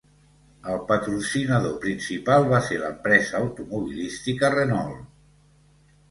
El patrocinador principal va ser l'empresa automobilística Renault.